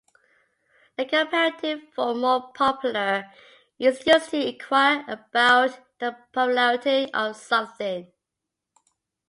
The comparative form "more popular" is used to inquire about the popularity of something.